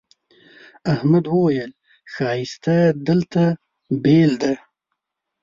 احمد وويل: ښایست دلته بېل دی.